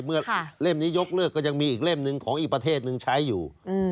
เล่มนี้ยกเลิกก็ยังมีอีกเล่มหนึ่งของอีกประเทศนึงใช้อยู่